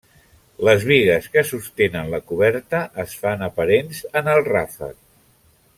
Les bigues que sostenen la coberta es fan aparents en el ràfec.